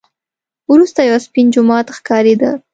وروسته یو سپین جومات ښکارېده.